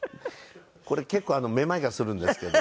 これ結構めまいがするんですけど。